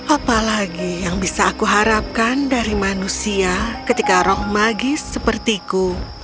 apalagi yang bisa aku harapkan dari manusia ketika roh magis sepertiku